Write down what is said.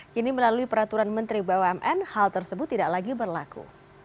kini melalui peraturan menteri bumn hal tersebut tidak lagi berlaku